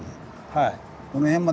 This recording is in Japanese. はい。